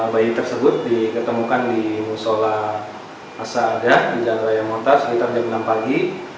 bayi tersebut diketemukan di musolah asadar di jalan raya montar sekitar jam enam pagi